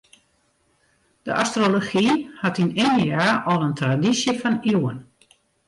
De astrology hat yn Yndia al in tradysje fan iuwen.